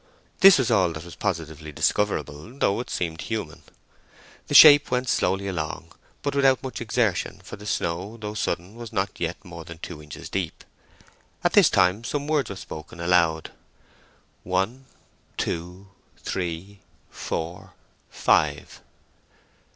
This was all that was positively discoverable, though it seemed human. The shape went slowly along, but without much exertion, for the snow, though sudden, was not as yet more than two inches deep. At this time some words were spoken aloud:— "One. Two. Three. Four. Five."